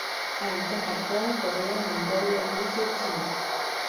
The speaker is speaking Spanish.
Habita en Japón, Corea, Mongolia, Rusia y China.